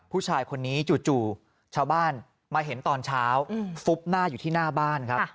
ผู้ชายคนนี้จู่ชาวบ้านมาเห็นตอนเช้าฟุบหน้าอยู่ที่หน้าบ้านครับ